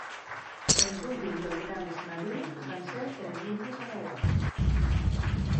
Els últims habitants nadius van ser els Indis arawaks.